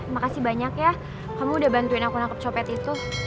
makasih banyak ya kamu udah bantuin aku nangkep copet itu